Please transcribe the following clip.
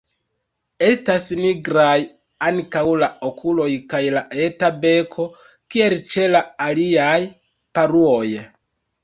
Estas nigraj ankaŭ la okuloj kaj la eta beko, kiel ĉe la aliaj paruoj.